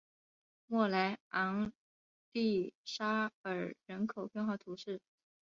莫莱昂利沙尔人口变化图示